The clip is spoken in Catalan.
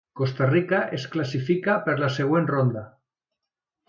Costa Rica es classifica per la següent ronda.